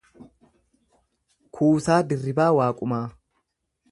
Kuusaa Dirribaa Waaqumaa